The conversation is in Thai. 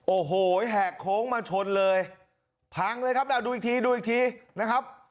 โอ้โหแหกโค้งมาชนเลยพังเลยครับแล้วดูอีกทีดูอีกทีนะครับ